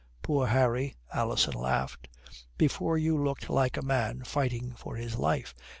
"Poor Harry!" Alison laughed. "Before you looked like a man fighting for his life.